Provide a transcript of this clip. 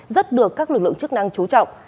rất được các lực lượng chức năng trú trọng